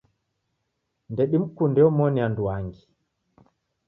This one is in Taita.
Ndedimkunde omoni anduangi.